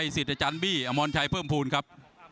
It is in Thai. สวัสดีครับ